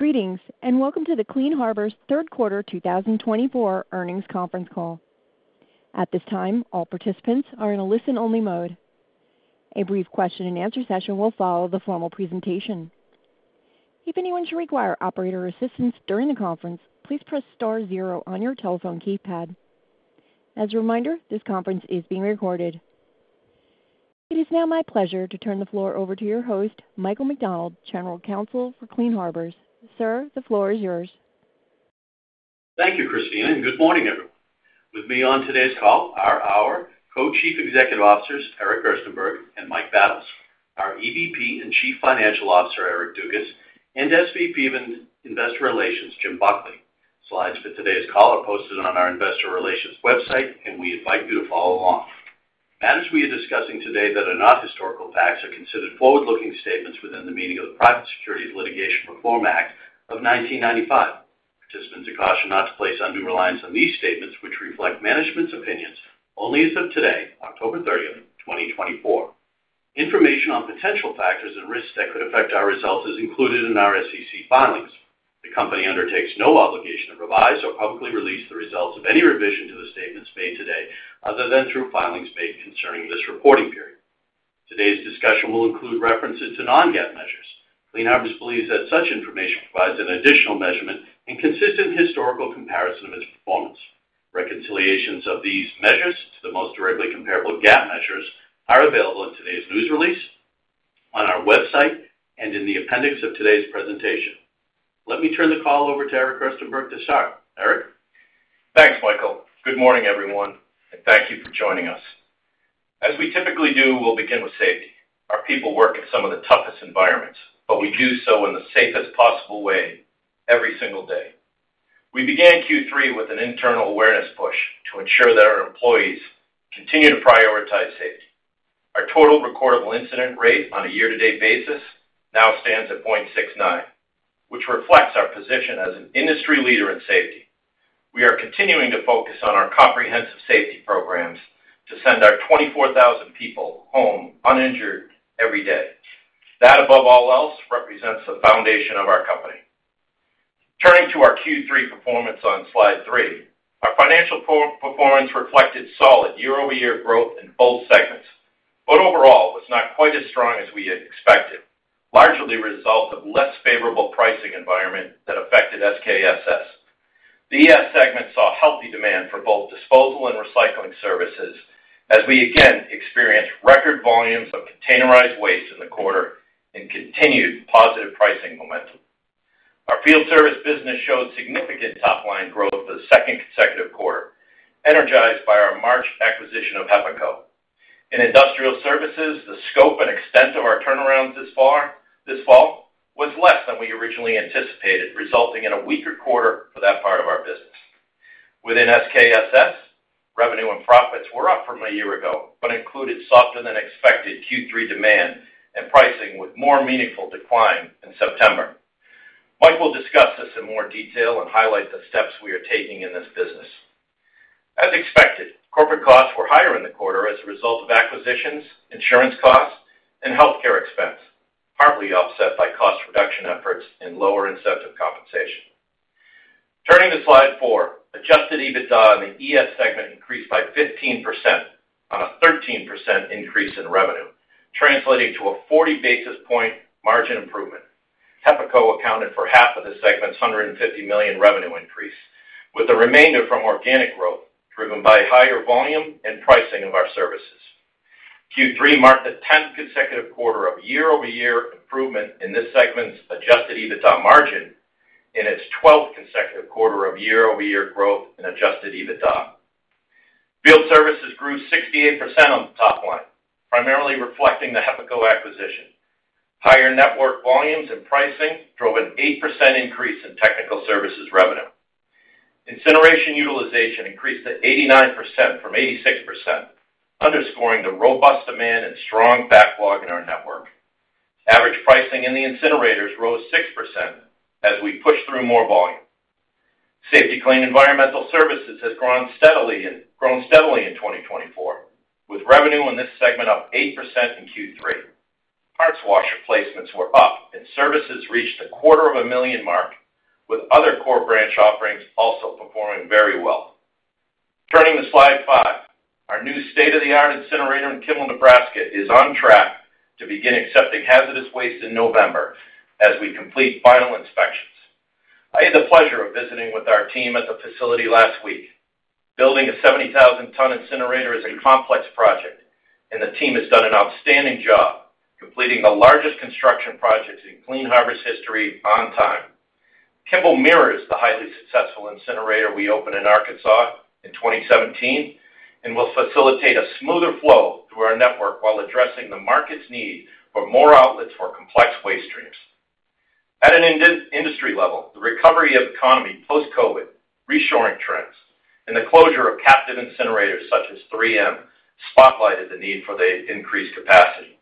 Greetings, and welcome to the Clean Harbors Q3 2024 Earnings Conference Call. At this time, all participants are in a listen-only mode. A brief question-and-answer session will follow the formal presentation. If anyone should require operator assistance during the conference, please press star zero on your telephone keypad. As a reminder, this conference is being recorded. It is now my pleasure to turn the floor over to your host, Michael McDonald, General Counsel for Clean Harbors. Sir, the floor is yours. Thank you, Christina, and good morning, everyone. With me on today's call are our Co-Chief Executive Officers, Eric Gerstenberg and Mike Battles, our Executive Vice President and Chief Financial Officer, Eric Dugas, and Senior Vice President of Investor Relations, Jim Buckley. Slides for today's call are posted on our Investor Relations website, and we invite you to follow along. Matters we are discussing today that are not historical facts are considered forward-looking statements within the meaning of the Private Securities Litigation Reform Act of 1995. Participants are cautioned not to place undue reliance on these statements, which reflect management's opinions only as of today, October 30th, 2024. Information on potential factors and risks that could affect our results is included in our SEC filings. The company undertakes no obligation to revise or publicly release the results of any revision to the statements made today other than through filings made concerning this reporting period. Today's discussion will include references to non-GAAP measures. Clean Harbors believes that such information provides an additional measurement and consistent historical comparison of its performance. Reconciliations of these measures to the most directly comparable GAAP measures are available in today's news release, on our website, and in the appendix of today's presentation. Let me turn the call over to Eric Gerstenberg to start. Eric? Thanks, Michael. Good morning, everyone, and thank you for joining us. As we typically do, we'll begin with safety. Our people work in some of the toughest environments, but we do so in the safest possible way every single day. We began Q3 with an internal awareness push to ensure that our employees continue to prioritize safety. Our total recordable incident rate on a year-to-date basis now stands at 0.69, which reflects our position as an industry leader in safety. We are continuing to focus on our comprehensive safety programs to send our 24,000 people home uninjured every day. That, above all else, represents the foundation of our company. Turning to our Q3 performance on slide three, our financial performance reflected solid year-over-year growth in both segments, but overall was not quite as strong as we had expected, largely a result of a less favorable pricing environment that affected SKSS. The ES segment saw healthy demand for both disposal and recycling services as we again experienced record volumes of containerized waste in the quarter and continued positive pricing momentum. Our Field Service business showed significant top-line growth for the second consecutive quarter, energized by our March acquisition of HEPACO. In Industrial Services, the scope and extent of our turnarounds this fall was less than we originally anticipated, resulting in a weaker quarter for that part of our business. Within SKSS, revenue and profits were up from a year ago but included softer-than-expected Q3 demand and pricing with more meaningful decline in September. Michael will discuss this in more detail and highlight the steps we are taking in this business. As expected, Corporate costs were higher in the quarter as a result of acquisitions, insurance costs, and healthcare expense, partly offset by cost reduction efforts and lower incentive compensation. Turning to slide four, Adjusted EBITDA in the ES segment increased by 15% on a 13% increase in revenue, translating to a 40 basis point margin improvement. HEPACO accounted for $75 million of the segment's $150 million revenue increase, with the remainder from organic growth driven by higher volume and pricing of our services. Q3 marked the 10th consecutive quarter of year-over-year improvement in this segment's Adjusted EBITDA margin, in its 12th consecutive quarter of year-over-year growth in Adjusted EBITDA. Field Services grew 68% on the top line, primarily reflecting the HEPACO acquisition. Higher network volumes and pricing drove an 8% increase in Technical Services revenue. Incineration utilization increased to 89% from 86%, underscoring the robust demand and strong backlog in our network. Average pricing in the incinerators rose 6% as we pushed through more volume. Safety-Kleen Environmental Services has grown steadily in 2024, with revenue in this segment up 8% in Q3. Parts washer placements were up, and services reached the 250,000 mark, with other core branch offerings also performing very well. Turning to slide five, our new state-of-the-art incinerator in Kimball, Nebraska, is on track to begin accepting hazardous waste in November as we complete final inspections. I had the pleasure of visiting with our team at the facility last week. Building a 70,000-ton incinerator is a complex project, and the team has done an outstanding job completing the largest construction project in Clean Harbors history on time. Kimball mirrors the highly successful incinerator we opened in Arkansas in 2017 and will facilitate a smoother flow through our network while addressing the market's need for more outlets for complex waste streams. At an industry level, the recovery of the economy post-COVID reshoring trends and the closure of captive incinerators such as 3M spotlighted the need for the increased capacity.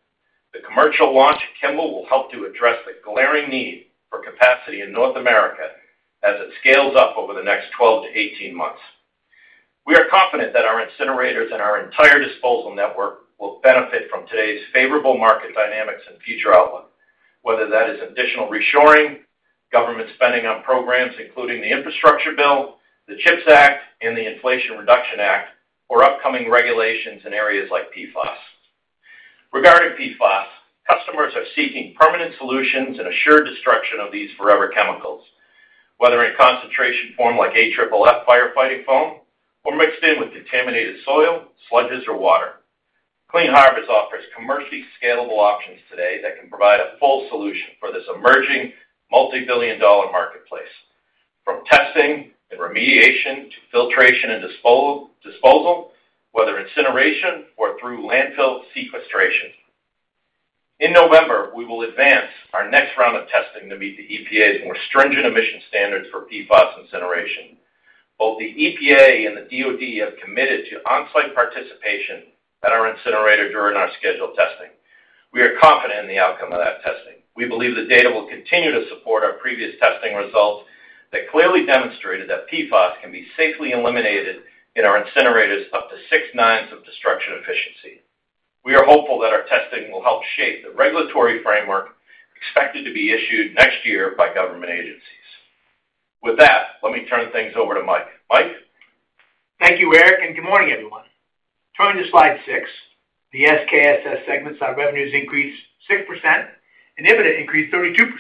The commercial launch at Kimball will help to address the glaring need for capacity in North America as it scales up over the next 12-18 months. We are confident that our incinerators and our entire disposal network will benefit from today's favorable market dynamics and future outlook, whether that is additional reshoring, government spending on programs including the Infrastructure Bill, the CHIPS Act, and the Inflation Reduction Act, or upcoming regulations in areas like PFAS. Regarding PFAS, customers are seeking permanent solutions and assured destruction of these forever chemicals, whether in concentration form like AFFF firefighting foam or mixed in with contaminated soil, sludges, or water. Clean Harbors offers commercially scalable options today that can provide a full solution for this emerging multi-billion-dollar marketplace, from testing and remediation to filtration and disposal, whether incineration or through landfill sequestration. In November, we will advance our next round of testing to meet the EPA's more stringent emission standards for PFAS incineration. Both the EPA and the DOD have committed to on-site participation at our incinerator during our scheduled testing. We are confident in the outcome of that testing. We believe the data will continue to support our previous testing results that clearly demonstrated that PFAS can be safely eliminated in our incinerators up to Six Nines of destruction efficiency. We are hopeful that our testing will help shape the regulatory framework expected to be issued next year by government agencies. With that, let me turn things over to Mike. Mike. Thank you, Eric, and good morning, everyone. Turning to slide six, the SKSS segment saw revenues increase 6% and EBITDA increased 32%.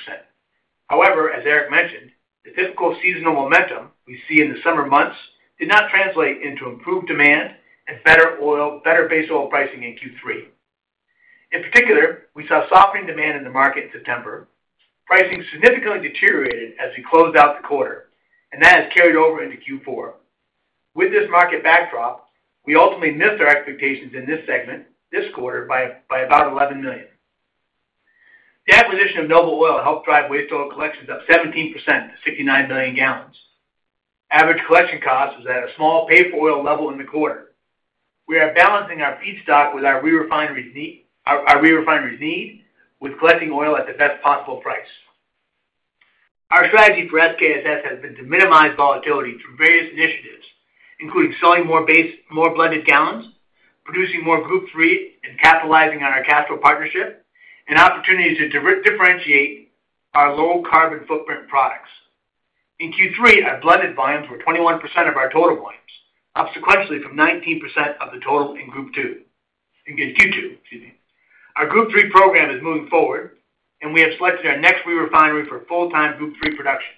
However, as Eric mentioned, the typical seasonal momentum we see in the summer months did not translate into improved demand and better oil, better base oil pricing in Q3. In particular, we saw softening demand in the market in September. Pricing significantly deteriorated as we closed out the quarter, and that has carried over into Q4. With this market backdrop, we ultimately missed our expectations in this segment this quarter by about $11 million. The acquisition of Noble Oil helped drive waste oil collections up 17% to 69 million gallons. Average collection cost was at a small pay-for-oil level in the quarter. We are balancing our feedstock with our re-refineries need with collecting oil at the best possible price. Our strategy for SKSS has been to minimize volatility through various initiatives, including selling more blended gallons, producing more Group III and capitalizing on our Castrol partnership, and opportunities to differentiate our low-carbon footprint products. In Q3, our blended volumes were 21% of our total volumes, up sequentially from 19% of the total in Q2, excuse me, our Group III program is moving forward, and we have selected our next re-refinery for full-time Group III production.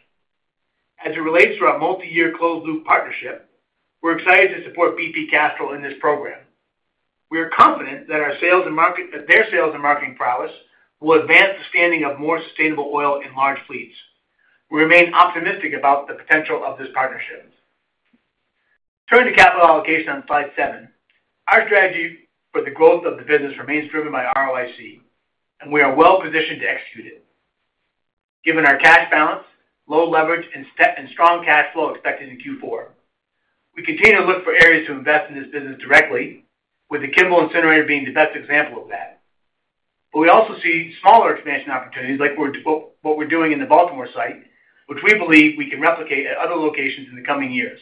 As it relates to our multi-year closed-loop partnership, we're excited to support BP Castrol in this program. We are confident that our sales and marketing, their sales and marketing prowess will advance the standing of more sustainable oil in large fleets. We remain optimistic about the potential of this partnership. Turning to capital allocation on slide seven, our strategy for the growth of the business remains driven by ROIC, and we are well-positioned to execute it. Given our cash balance, low leverage, and strong cash flow expected in Q4, we continue to look for areas to invest in this business directly, with the Kimball incinerator being the best example of that. But we also see smaller expansion opportunities like what we're doing in the Baltimore site, which we believe we can replicate at other locations in the coming years.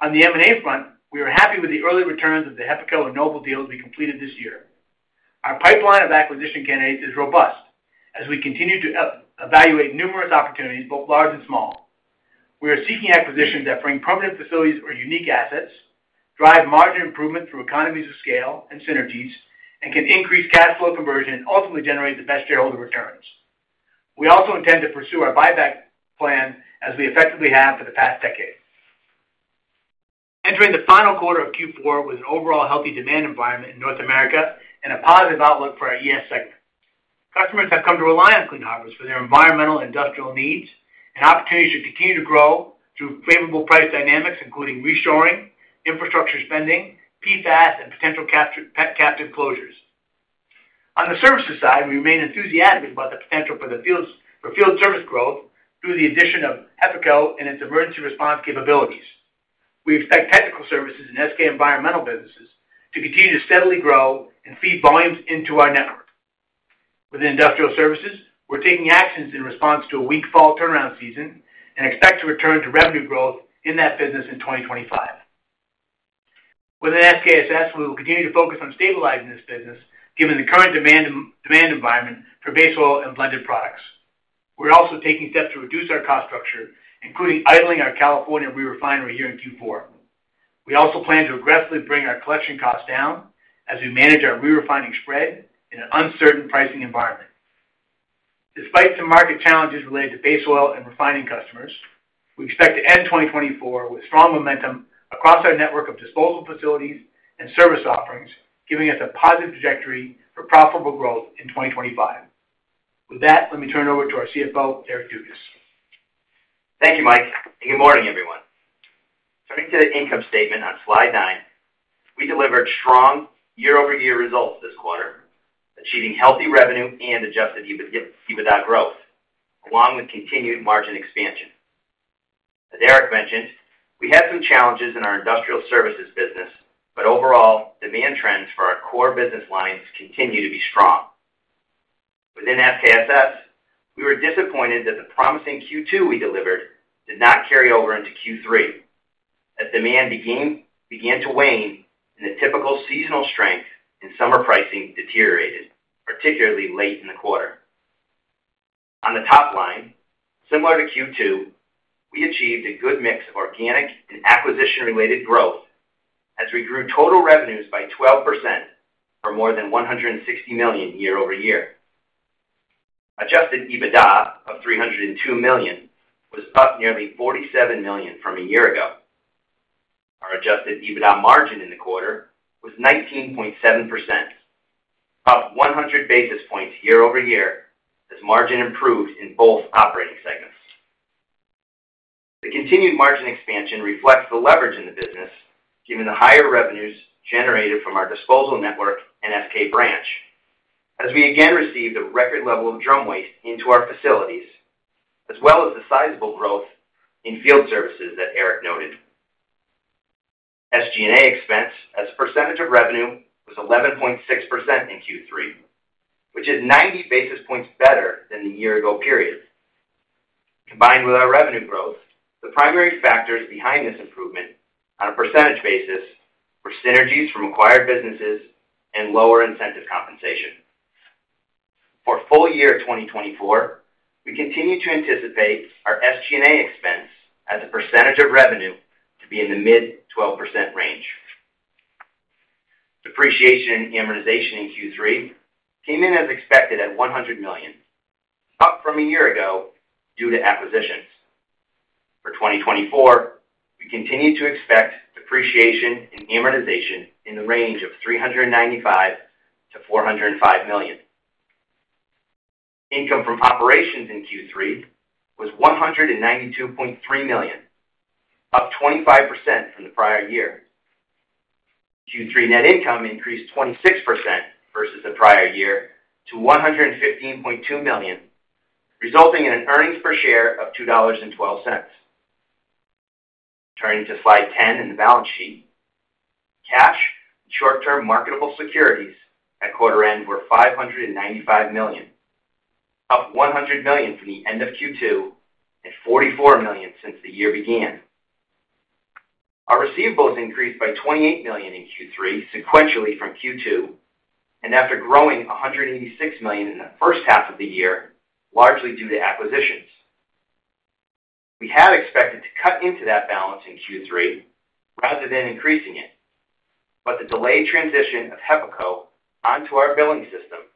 On the M&A front, we are happy with the early returns of the HEPACO and Noble deals we completed this year. Our pipeline of acquisition candidates is robust as we continue to evaluate numerous opportunities, both large and small. We are seeking acquisitions that bring permanent facilities or unique assets, drive margin improvement through economies of scale and synergies, and can increase cash flow conversion and ultimately generate the best shareholder returns. We also intend to pursue our buyback plan as we effectively have for the past decade. Entering the final quarter of Q4 with an overall healthy demand environment in North America and a positive outlook for our ES segment. Customers have come to rely on Clean Harbors for their environmental and industrial needs, and opportunities should continue to grow through favorable price dynamics, including reshoring, infrastructure spending, PFAS, and potential captive closures. On the services side, we remain enthusiastic about the potential for Field Service growth through the addition of HEPACO and its emergency response capabilities. We expect Technical Services and SK Environmental businesses to continue to steadily grow and feed volumes into our network. Within Industrial Services, we're taking actions in response to a weak fall turnaround season and expect to return to revenue growth in that business in 2025. Within SKSS, we will continue to focus on stabilizing this business given the current demand environment for base oil and blended products. We're also taking steps to reduce our cost structure, including idling our California re-refinery here in Q4. We also plan to aggressively bring our collection costs down as we manage our re-refining spread in an uncertain pricing environment. Despite some market challenges related to base oil and refining customers, we expect to end 2024 with strong momentum across our network of disposal facilities and service offerings, giving us a positive trajectory for profitable growth in 2025. With that, let me turn it over to our CFO, Eric Dugas. Thank you, Mike, and good morning, everyone. Turning to the income statement on slide nine, we delivered strong year-over-year results this quarter, achieving healthy revenue and Adjusted EBITDA growth, along with continued margin expansion. As Eric mentioned, we had some challenges in our Industrial Services business, but overall, demand trends for our core business lines continue to be strong. Within SKSS, we were disappointed that the promising Q2 we delivered did not carry over into Q3 as demand began to wane and the typical seasonal strength in summer pricing deteriorated, particularly late in the quarter. On the top line, similar to Q2, we achieved a good mix of organic and acquisition-related growth as we grew total revenues by 12% for more than $160 million year-over-year. Adjusted EBITDA of $302 million was up nearly $47 million from a year ago. Our Adjusted EBITDA margin in the quarter was 19.7%, up 100 basis points year-over-year as margin improved in both operating segments. The continued margin expansion reflects the leverage in the business given the higher revenues generated from our disposal network and SK Branch as we again received a record level of drum waste into our facilities, as well as the sizable growth in Field Services that Eric noted. SG&A expense as a percentage of revenue was 11.6% in Q3, which is 90 basis points better than the year-ago period. Combined with our revenue growth, the primary factors behind this improvement on a percentage basis were synergies from acquired businesses and lower incentive compensation. For full year 2024, we continue to anticipate our SG&A expense as a percentage of revenue to be in the mid-12% range. Depreciation and amortization in Q3 came in as expected at $100 million, up from a year ago due to acquisitions. For 2024, we continue to expect depreciation and amortization in the range of $395 million-$405 million. Income from operations in Q3 was $192.3 million, up 25% from the prior year. Q3 net income increased 26% versus the prior year to $115.2 million, resulting in an earnings per share of $2.12. Turning to slide 10 in the balance sheet, cash and short-term marketable securities at quarter-end were $595 million, up $100 million from the end of Q2 and $44 million since the year began. Our receivables increased by $28 million in Q3 sequentially from Q2 and after growing $186 million in the first half of the year, largely due to acquisitions. We had expected to cut into that balance in Q3 rather than increasing it, but the delayed transition of HEPACO onto our billing system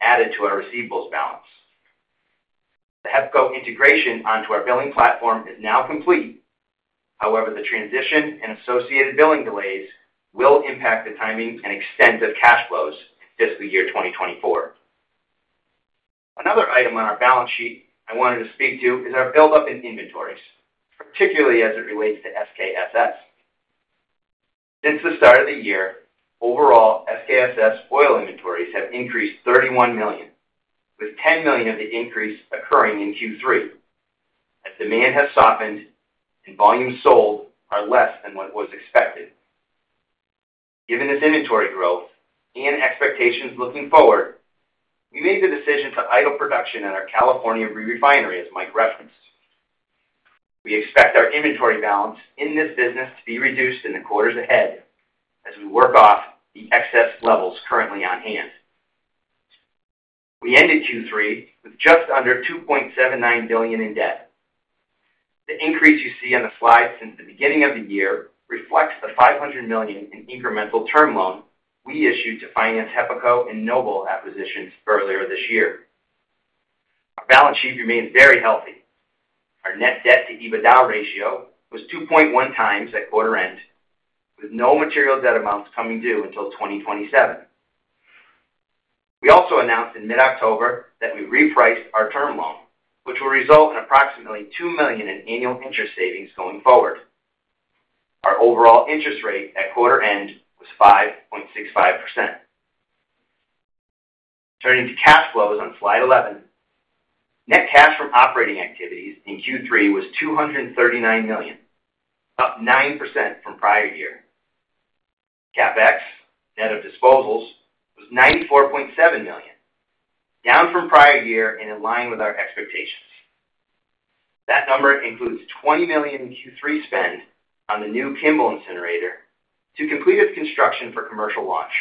added to our receivables balance. The HEPACO integration onto our billing platform is now complete. However, the transition and associated billing delays will impact the timing and extent of cash flows in fiscal year 2024. Another item on our balance sheet I wanted to speak to is our buildup in inventories, particularly as it relates to SKSS. Since the start of the year, overall SKSS oil inventories have increased $31 million, with $10 million of the increase occurring in Q3 as demand has softened and volumes sold are less than what was expected. Given this inventory growth and expectations looking forward, we made the decision to idle production at our California re-refinery, as Mike referenced. We expect our inventory balance in this business to be reduced in the quarters ahead as we work off the excess levels currently on hand. We ended Q3 with just under $2.79 billion in debt. The increase you see on the slide since the beginning of the year reflects the $500 million in incremental term loan we issued to finance HEPACO and Noble acquisitions earlier this year. Our balance sheet remains very healthy. Our net debt-to-EBITDA ratio was 2.1 times at quarter-end, with no material debt amounts coming due until 2027. We also announced in mid-October that we repriced our term loan, which will result in approximately $2 million in annual interest savings going forward. Our overall interest rate at quarter-end was 5.65%. Turning to cash flows on slide 11, net cash from operating activities in Q3 was $239 million, up 9% from prior year. CapEx, net of disposals, was $94.7 million, down from prior year and in line with our expectations. That number includes $20 million in Q3 spend on the new Kimball incinerator to complete its construction for commercial launch.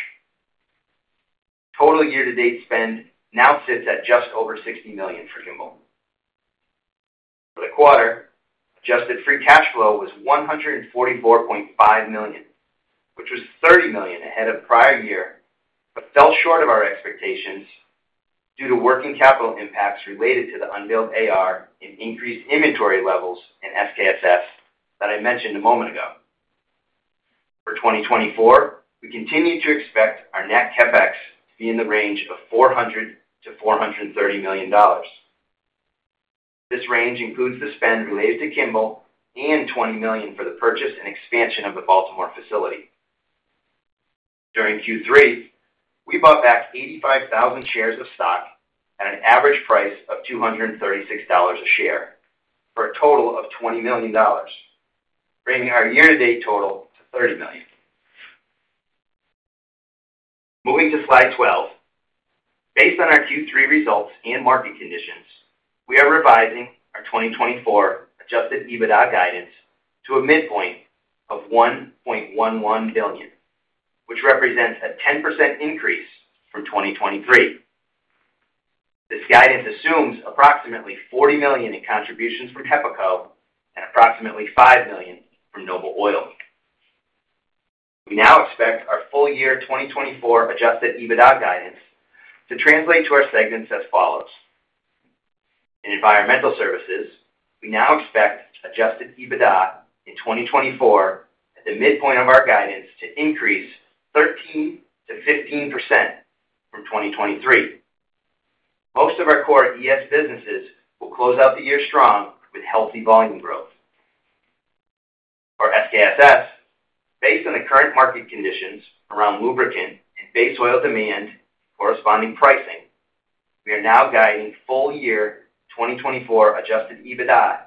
Total year-to-date spend now sits at just over $60 million for Kimball. For the quarter, adjusted free cash flow was $144.5 million, which was $30 million ahead of prior year but fell short of our expectations due to working capital impacts related to the unbilled AR and increased inventory levels in SKSS that I mentioned a moment ago. For 2024, we continue to expect our net CapEx to be in the range of $400 million-$430 million. This range includes the spend related to Kimball and $20 million for the purchase and expansion of the Baltimore facility. During Q3, we bought back 85,000 shares of stock at an average price of $236 a share for a total of $20 million, bringing our year-to-date total to $30 million. Moving to slide 12, based on our Q3 results and market conditions, we are revising our 2024 adjusted EBITDA guidance to a midpoint of $1.11 billion, which represents a 10% increase from 2023. This guidance assumes approximately $40 million in contributions from HEPACO and approximately $5 million from Noble Oil. We now expect our full year 2024 adjusted EBITDA guidance to translate to our segments as follows. In Environmental Services, we now expect adjusted EBITDA in 2024 at the midpoint of our guidance to increase 13%-15% from 2023. Most of our core ES businesses will close out the year strong with healthy volume growth. For SKSS, based on the current market conditions around lubricant and base oil demand corresponding pricing, we are now guiding full year 2024 Adjusted EBITDA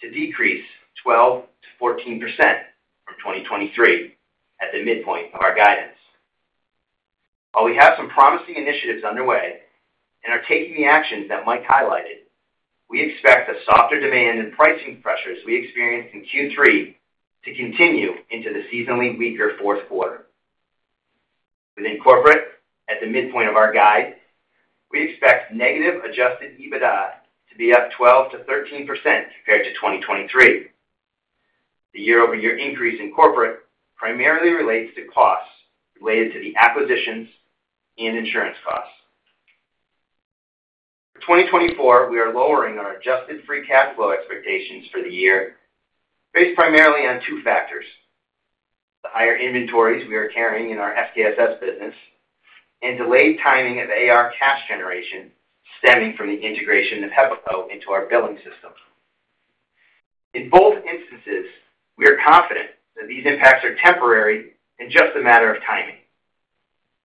to decrease 12%-14% from 2023 at the midpoint of our guidance. While we have some promising initiatives underway and are taking the actions that Mike highlighted, we expect the softer demand and pricing pressures we experienced in Q3 to continue into the seasonally weaker fourth quarter. Within Corporate, at the midpoint of our guide, we expect negative Adjusted EBITDA to be up 12%-13% compared to 2023. The year-over-year increase in Corporate primarily relates to costs related to the acquisitions and insurance costs. For 2024, we are lowering our adjusted free cash flow expectations for the year based primarily on two factors: the higher inventories we are carrying in our SKSS business and delayed timing of AR cash generation stemming from the integration of HEPACO into our billing system. In both instances, we are confident that these impacts are temporary and just a matter of timing.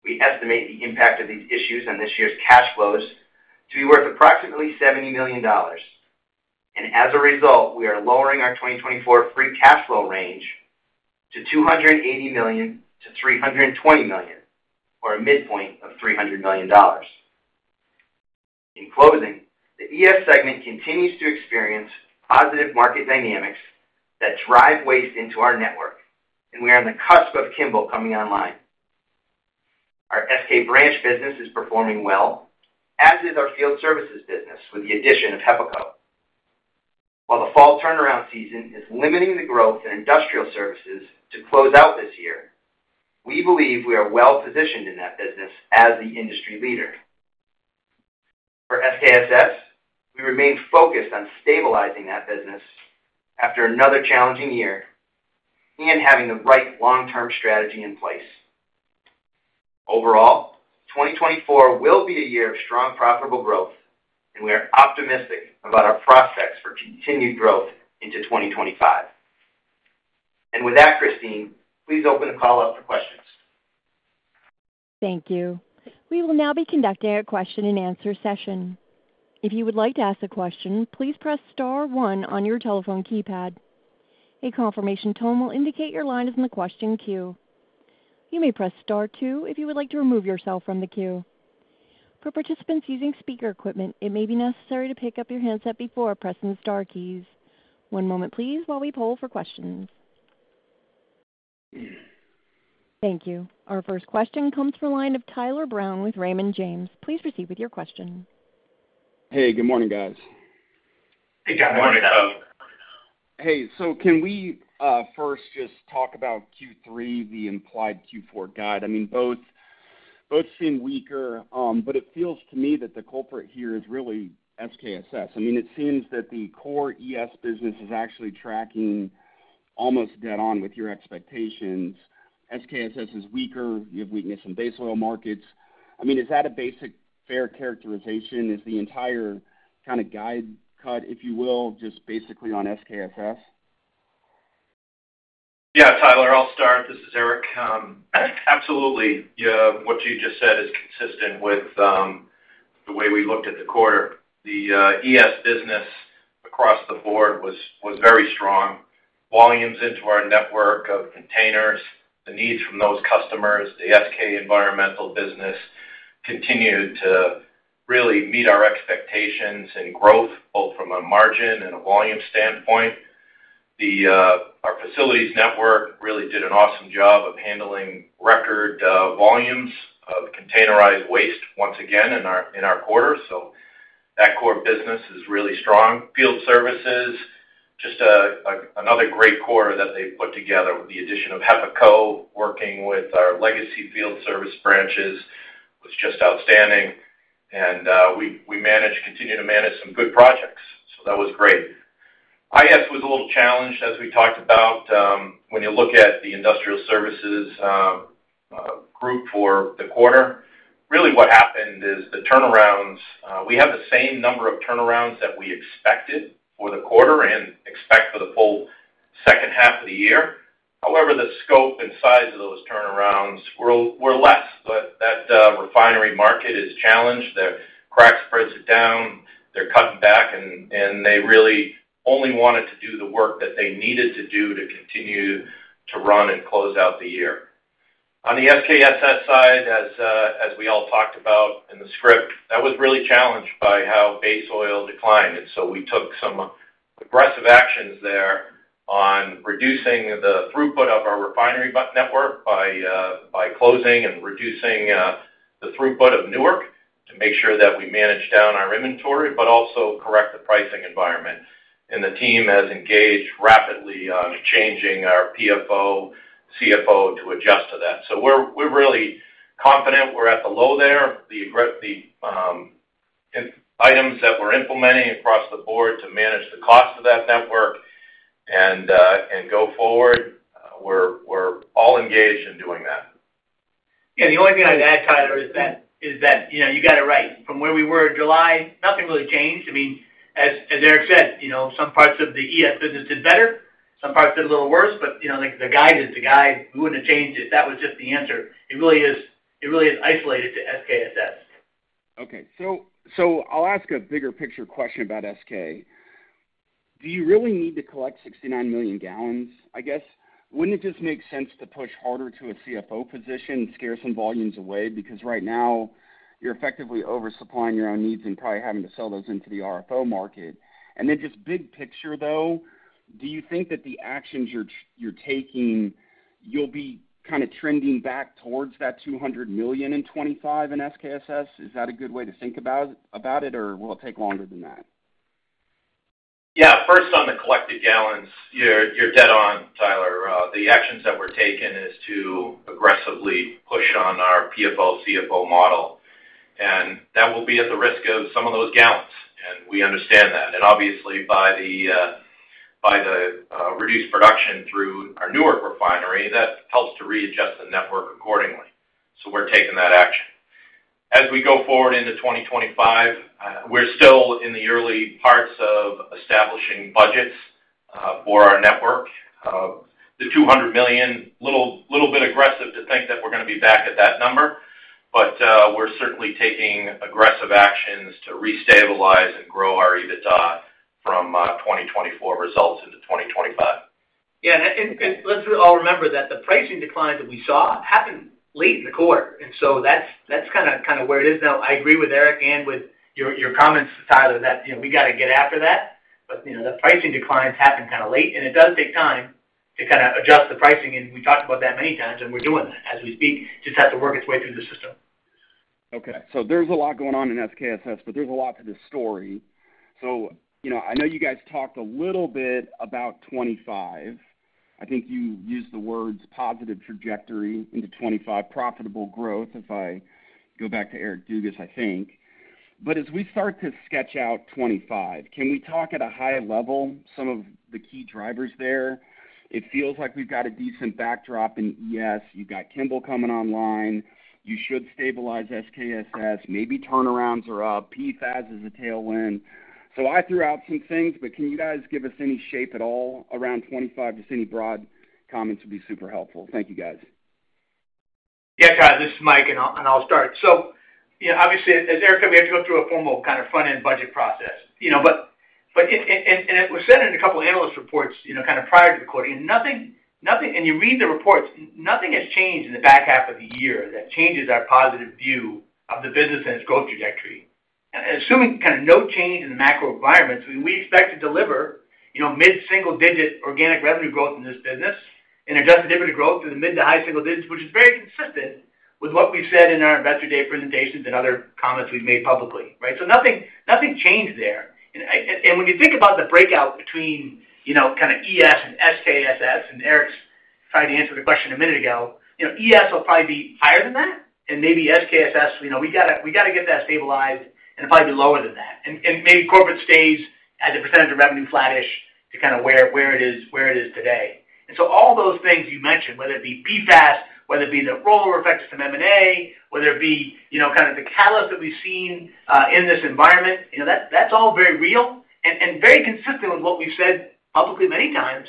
We estimate the impact of these issues on this year's cash flows to be worth approximately $70 million, and as a result, we are lowering our 2024 free cash flow range to $280 million-$320 million, or a midpoint of $300 million. In closing, the ES segment continues to experience positive market dynamics that drive waste into our network, and we are on the cusp of Kimball coming online. Our SK Branch business is performing well, as is our Field Services business with the addition of HEPACO. While the fall turnaround season is limiting the growth in Industrial Services to close out this year, we believe we are well positioned in that business as the industry leader. For SKSS, we remain focused on stabilizing that business after another challenging year and having the right long-term strategy in place. Overall, 2024 will be a year of strong profitable growth, and we are optimistic about our prospects for continued growth into 2025. And with that, Christine, please open the call up for questions. Thank you. We will now be conducting a question-and-answer session. If you would like to ask a question, please press star one on your telephone keypad. A confirmation tone will indicate your line is in the question queue. You may press star two if you would like to remove yourself from the queue. For participants using speaker equipment, it may be necessary to pick up your handset before pressing the star keys. One moment, please, while we poll for questions. Thank you. Our first question comes from the line of Tyler Brown with Raymond James. Please proceed with your question. Hey, good morning, guys. Hey, Tyler. Good morning, folks. Hey, so can we first just talk about Q3, the implied Q4 guide? I mean, both seem weaker, but it feels to me that the culprit here is really SKSS. I mean, it seems that the core ES business is actually tracking almost dead on with your expectations. SKSS is weaker. You have weakness in base oil markets. I mean, is that a basic fair characterization? Is the entire kind of guide cut, if you will, just basically on SKSS? Yeah, Tyler, I'll start. This is Eric. Absolutely. What you just said is consistent with the way we looked at the quarter. The ES business across the board was very strong. Volumes into our network of containers, the needs from those customers, the SK Environmental business continued to really meet our expectations in growth, both from a margin and a volume standpoint. Our facilities network really did an awesome job of handling record volumes of containerized waste once again in our quarter. So that core business is really strong. Field Services, just another great quarter that they've put together with the addition of HEPACO, working with our legacy field service branches, was just outstanding, and we continue to manage some good projects, so that was great. IS was a little challenged, as we talked about. When you look at the Industrial Services group for the quarter, really what happened is the turnarounds. We have the same number of turnarounds that we expected for the quarter and expect for the full second half of the year. However, the scope and size of those turnarounds were less. That refinery market is challenged. Their crack spreads are down. They're cutting back, and they really only wanted to do the work that they needed to do to continue to run and close out the year. On the SKSS side, as we all talked about in the script, that was really challenged by how base oil declined, and so we took some aggressive actions there on reducing the throughput of our refinery network by closing and reducing the throughput of Newark to make sure that we manage down our inventory, but also correct the pricing environment. And the team has engaged rapidly on changing our PFO, CFO to adjust to that. So we're really confident we're at the low there. The items that we're implementing across the board to manage the cost of that network and go forward, we're all engaged in doing that. Yeah, the only thing I'd add, Tyler, is that you got it right. From where we were in July, nothing really changed. I mean, as Eric said, some parts of the ES business did better, some parts did a little worse, but the guide is the guide. We wouldn't have changed it. That was just the answer. It really is isolated to SKSS. Okay, so I'll ask a bigger picture question about SK. Do you really need to collect 69 million gallons? I guess, wouldn't it just make sense to push harder to a CFO position, scare some volumes away? Because right now, you're effectively oversupplying your own needs and probably having to sell those into the RFO market, and then just big picture, though, do you think that the actions you're taking, you'll be kind of trending back towards that 200 million in 2025 in SKSS? Is that a good way to think about it, or will it take longer than that? Yeah, first on the collected gallons, you're dead on, Tyler. The actions that we're taking is to aggressively push on our PFO, CFO model. And that will be at the risk of some of those gallons, and we understand that. And obviously, by the reduced production through our Newark refinery, that helps to readjust the network accordingly. So we're taking that action. As we go forward into 2025, we're still in the early parts of establishing budgets for our network. The 200 million, a little bit aggressive to think that we're going to be back at that number, but we're certainly taking aggressive actions to re-stabilize and grow our EBITDA from 2024 results into 2025. Yeah. And let's all remember that the pricing decline that we saw happened late in the quarter. And so that's kind of where it is now. I agree with Eric and with your comments, Tyler, that we got to get after that. But the pricing declines happened kind of late, and it does take time to kind of adjust the pricing. And we talked about that many times, and we're doing that as we speak. It just has to work its way through the system. Okay. So there's a lot going on in SKSS, but there's a lot to this story. So I know you guys talked a little bit about 2025. I think you used the words positive trajectory into 2025, profitable growth, if I go back to Eric Dugas, I think. But as we start to sketch out 2025, can we talk at a high level some of the key drivers there? It feels like we've got a decent backdrop in ES. You've got Kimball coming online. You should stabilize SKSS. Maybe turnarounds are up. PFAS is a tailwind. So I threw out some things, but can you guys give us any shape at all around 2025? Just any broad comments would be super helpful. Thank you, guys. Yeah, guys, this is Mike, and I'll start. So obviously, as Eric said, we have to go through a formal kind of front-end budget process. And it was said in a couple of analyst reports kind of prior to the quarter. And you read the reports, nothing has changed in the back half of the year that changes our positive view of the business and its growth trajectory. Assuming kind of no change in the macro environments, we expect to deliver mid-single-digit organic revenue growth in this business and Adjusted EBITDA growth in the mid to high single digits, which is very consistent with what we said in our investor day presentations and other comments we've made publicly, right? So nothing changed there. When you think about the breakout between kind of ES and SKSS, and Eric's tried to answer the question a minute ago, ES will probably be higher than that, and maybe SKSS, we got to get that stabilized, and it'll probably be lower than that. Maybe Corporate stays at a percentage of revenue flattish to kind of where it is today. All those things you mentioned, whether it be PFAS, whether it be the rollover effects from M&A, whether it be kind of the callus that we've seen in this environment, that's all very real and very consistent with what we've said publicly many times.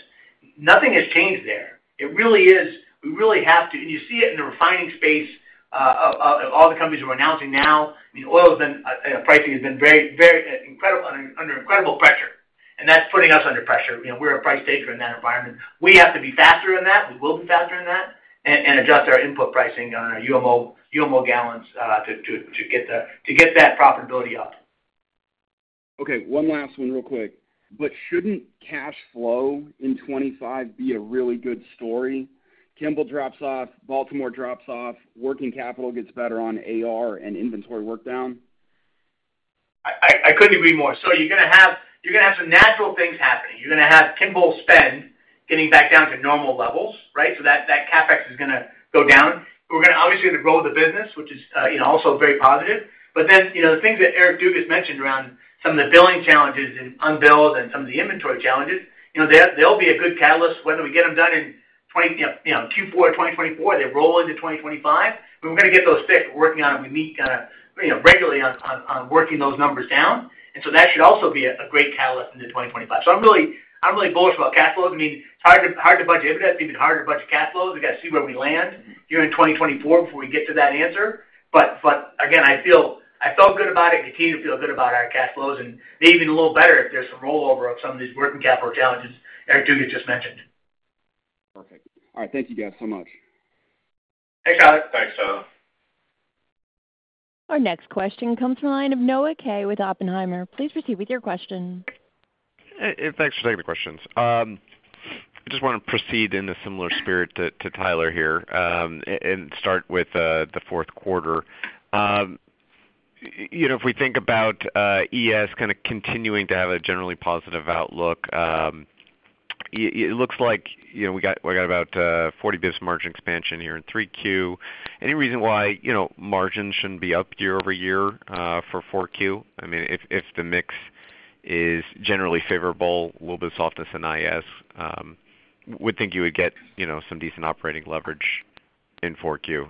Nothing has changed there. It really is. We really have to, and you see it in the refining space of all the companies we're announcing now. I mean, oil pricing has been under incredible pressure, and that's putting us under pressure. We're a price taker in that environment. We have to be faster than that. We will be faster than that and adjust our input pricing on our UMO gallons to get that profitability up. Okay. One last one real quick. But shouldn't cash flow in 2025 be a really good story? Kimball drops off, Baltimore drops off, working capital gets better on AR and inventory works down? I couldn't agree more. So you're going to have some natural things happening. You're going to have Kimball spend getting back down to normal levels, right? So that CapEx is going to go down. We're obviously going to grow the business, which is also very positive. But then the things that Eric Dugas mentioned around some of the billing challenges and unbilled and some of the inventory challenges, they'll be a good catalyst. Whether we get them done in Q4 2024, they roll into 2025. We're going to get those fixed. We're working on it. We meet kind of regularly on working those numbers down. And so that should also be a great catalyst into 2025. So I'm really bullish about cash flows. I mean, it's hard to budget EBITDA. It's even harder to budget cash flows. We got to see where we land here in 2024 before we get to that answer. But again, I felt good about it and continue to feel good about our cash flows, and maybe even a little better if there's some rollover of some of these working capital challenges Eric Dugas just mentioned. Perfect. All right. Thank you guys so much. Thanks, Tyler. Thanks, Tyler. Our next question comes from the line of Noah Kaye with Oppenheimer. Please proceed with your question. Thanks for taking the questions. I just want to proceed in a similar spirit to Tyler here and start with the fourth quarter. If we think about ES kind of continuing to have a generally positive outlook, it looks like we got about 40 basis points margin expansion here in 3Q. Any reason why margins shouldn't be up year-over-year for 4Q? I mean, if the mix is generally favorable, a little bit softness in IS, we think you would get some decent operating leverage in 4Q.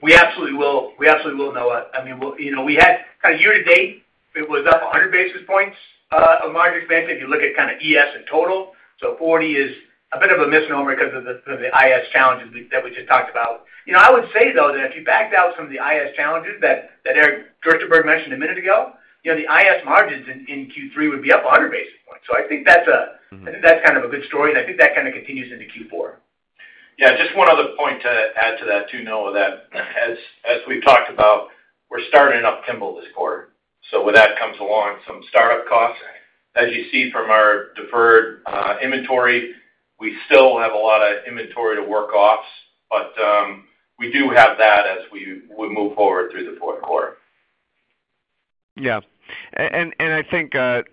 We absolutely will. We absolutely will, Noah. I mean, we had kind of year to date, it was up 100 basis points of margin expansion if you look at kind of ES in total. So 40 is a bit of a misnomer because of the IS challenges that we just talked about. I would say, though, that if you backed out some of the IS challenges that Eric Gerstenberg mentioned a minute ago, the IS margins in Q3 would be up 100 basis points. So I think that's kind of a good story, and I think that kind of continues into Q4. Yeah. Just one other point to add to that too, Noah, that as we've talked about, we're starting up Kimball this quarter. So with that comes along some startup costs. As you see from our deferred inventory, we still have a lot of inventory to work off, but we do have that as we move forward through the fourth quarter. Yeah. And I think that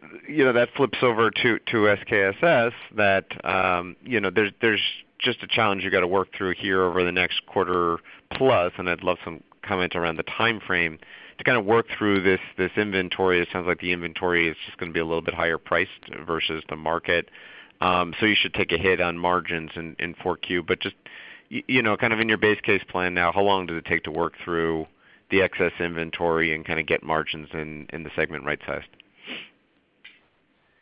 flips over to SKSS that there's just a challenge you got to work through here over the next quarter plus, and I'd love some comment around the timeframe to kind of work through this inventory. It sounds like the inventory is just going to be a little bit higher priced versus the market. So you should take a hit on margins in 4Q. But just kind of in your base case plan now, how long does it take to work through the excess inventory and kind of get margins in the segment right-sized?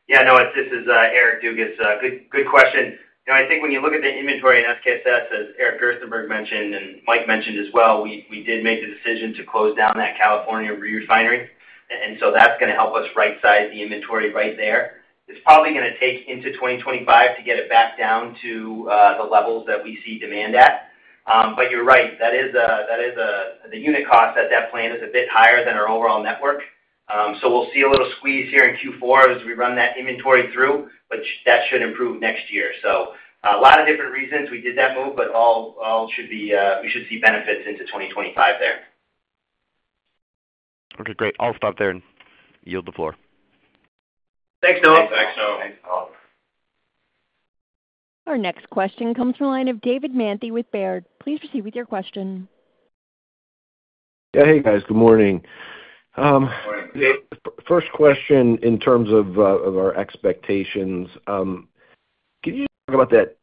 Yeah, Noah, this is Eric Dugas. Good question. I think when you look at the inventory in SKSS, as Eric Gerstenberg mentioned and Mike mentioned as well, we did make the decision to close down that California refinery. And so that's going to help us right-size the inventory right there. It's probably going to take into 2025 to get it back down to the levels that we see demand at. But you're right. The unit cost at that plant is a bit higher than our overall network. So we'll see a little squeeze here in Q4 as we run that inventory through, but that should improve next year. So a lot of different reasons we did that move, but we should see benefits into 2025 there. Okay. Great. I'll stop there and yield the floor. Thanks, Noah. Thanks, Noah. Our next question comes from the line of David Manthey with Baird. Please proceed with your question. Yeah. Hey, guys. Good morning. Good morning. First question in terms of our expectations. Can you talk about that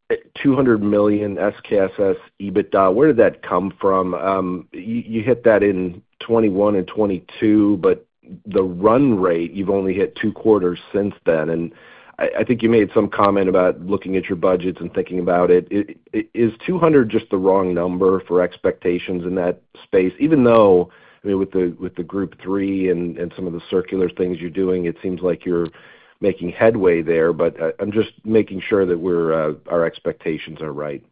$200 million SKSS EBITDA? Where did that come from? You hit that in 2021 and 2022, but the run rate, you've only hit two quarters since then. And I think you made some comment about looking at your budgets and thinking about it. Is 200 just the wrong number for expectations in that space? Even though, I mean, with the Group III and some of the circular things you're doing, it seems like you're making headway there, but I'm just making sure that our expectations are right.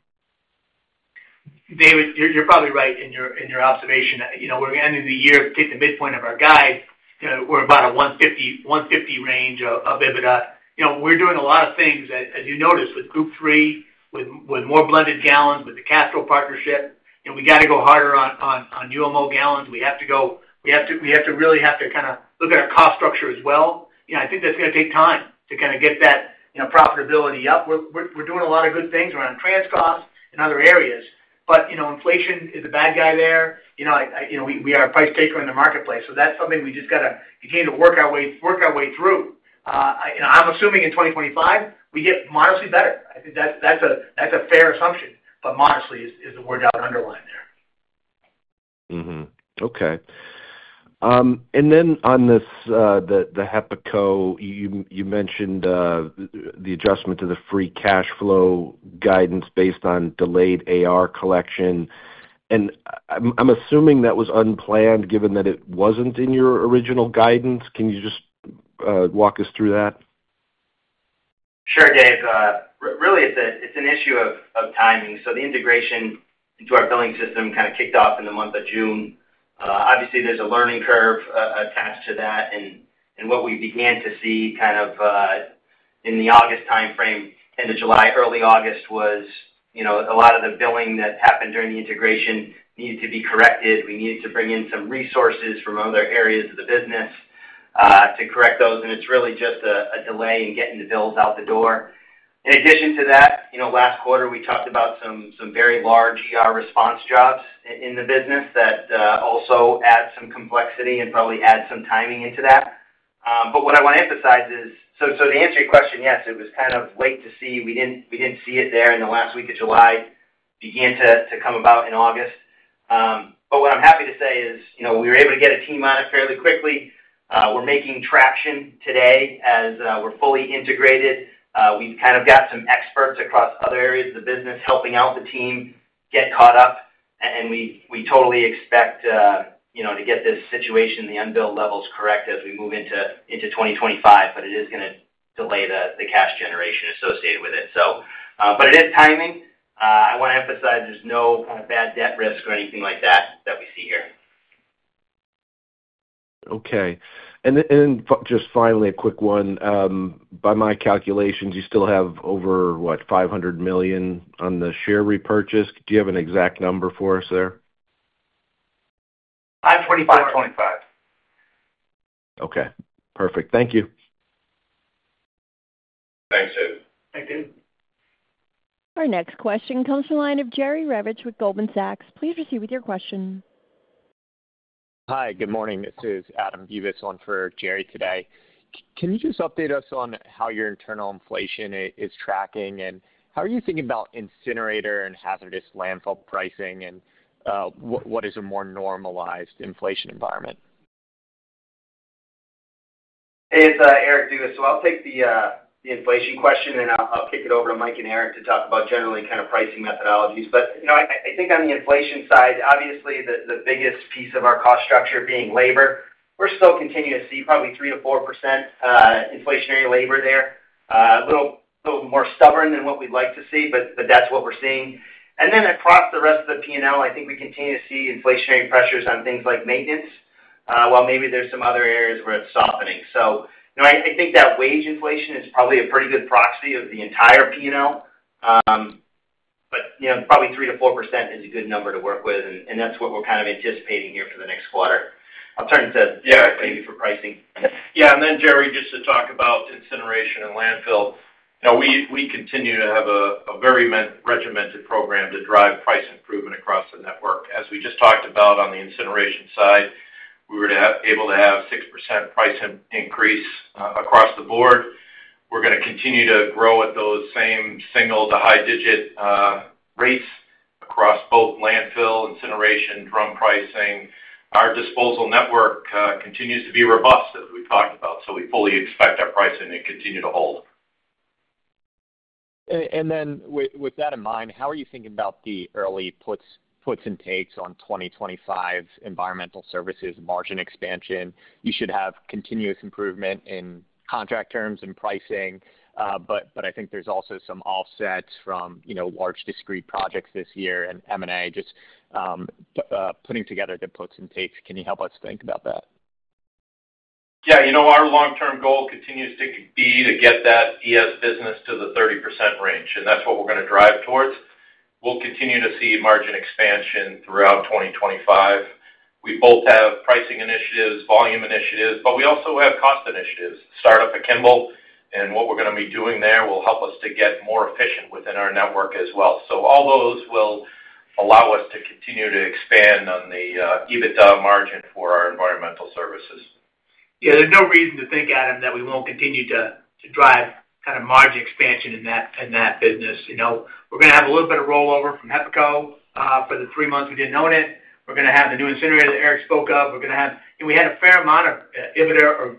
David, you're probably right in your observation. We're ending the year at the midpoint of our guide. We're about a $150 range of EBITDA. We're doing a lot of things, as you noticed, with Group III, with more blended gallons, with the Castrol partnership. We got to go harder on UMO gallons. We have to go. We have to really kind of look at our cost structure as well. I think that's going to take time to kind of get that profitability up. We're doing a lot of good things around transport costs and other areas, but inflation is a bad guy there. We are a price taker in the marketplace. So that's something we just got to continue to work our way through. I'm assuming in 2025, we get modestly better. I think that's a fair assumption, but modestly is the word I would underline there. Okay. And then on the HEPACO, you mentioned the adjustment to the free cash flow guidance based on delayed AR collection. And I'm assuming that was unplanned given that it wasn't in your original guidance. Can you just walk us through that? Sure, Dave. Really, it's an issue of timing. So the integration into our billing system kind of kicked off in the month of June. Obviously, there's a learning curve attached to that. And what we began to see kind of in the August timeframe, end of July, early August, was a lot of the billing that happened during the integration needed to be corrected. We needed to bring in some resources from other areas of the business to correct those. And it's really just a delay in getting the bills out the door. In addition to that, last quarter, we talked about some very large response jobs in the business that also add some complexity and probably add some timing into that. But what I want to emphasize is, so to answer your question, yes, it was kind of late to see. We didn't see it there in the last week of July. It began to come about in August, but what I'm happy to say is we were able to get a team on it fairly quickly. We're making traction today as we're fully integrated. We've kind of got some experts across other areas of the business helping out the team get caught up, and we totally expect to get this situation, the unbilled levels, correct as we move into 2025, but it is going to delay the cash generation associated with it, but it is timing. I want to emphasize there's no kind of bad debt risk or anything like that that we see here. Okay. And then just finally, a quick one. By my calculations, you still have over, what, $500 million on the share repurchase. Do you have an exact number for us there? 525. Okay. Perfect. Thank you. Thanks, Dave. Thank you. Our next question comes from the line of Jerry Revich with Goldman Sachs. Please proceed with your question. Hi. Good morning. This is Adam Bubes on for Jerry today. Can you just update us on how your internal inflation is tracking and how are you thinking about incinerator and hazardous landfill pricing and what is a more normalized inflation environment? Hey, it's Eric Dugas. I'll take the inflation question and I'll kick it over to Mike and Eric to talk about generally kind of pricing methodologies. I think on the inflation side, obviously, the biggest piece of our cost structure being labor, we're still continuing to see probably 3%-4% inflationary labor there. A little more stubborn than what we'd like to see, but that's what we're seeing. Then across the rest of the P&L, I think we continue to see inflationary pressures on things like maintenance, while maybe there's some other areas where it's softening. I think that wage inflation is probably a pretty good proxy of the entire P&L, but probably 3%-4% is a good number to work with. That's what we're kind of anticipating here for the next quarter. I'll turn to David for pricing. Yeah. And then, Jerry, just to talk about incineration and landfill, we continue to have a very regimented program to drive price improvement across the network. As we just talked about on the incineration side, we were able to have 6% price increase across the board. We're going to continue to grow at those same single- to high-digit rates across both landfill, incineration, drum pricing. Our disposal network continues to be robust, as we've talked about, so we fully expect our pricing to continue to hold. And then with that in mind, how are you thinking about the early puts and takes on 2025's Environmental Services margin expansion? You should have continuous improvement in contract terms and pricing, but I think there's also some offsets from large discrete projects this year and M&A just putting together the puts and takes. Can you help us think about that? Yeah. Our long-term goal continues to be to get that ES business to the 30% range, and that's what we're going to drive towards. We'll continue to see margin expansion throughout 2025. We both have pricing initiatives, volume initiatives, but we also have cost initiatives, startup at Kimball, and what we're going to be doing there will help us to get more efficient within our network as well. So all those will allow us to continue to expand on the EBITDA margin for our Environmental Services. Yeah. There's no reason to think, Adam, that we won't continue to drive kind of margin expansion in that business. We're going to have a little bit of rollover from HEPACO for the three months we didn't own it. We're going to have the new incinerator that Eric spoke of. We're going to have. We had a fair amount of EBITDA or